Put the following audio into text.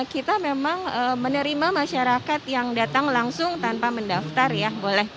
kita memang menerima masyarakat yang datang langsung tanpa mendaftar ya boleh